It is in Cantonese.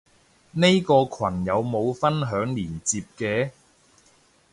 呢個羣有冇分享連接嘅？